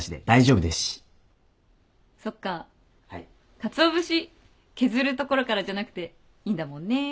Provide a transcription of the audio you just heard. かつお節削るところからじゃなくていいんだもんね。